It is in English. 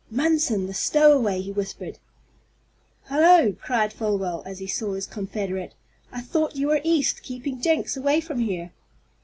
"Munson the stowaway!" he whispered. "Hello!" cried Folwell, as he saw his confederate. "I thought you were East, keeping Jenks away from here."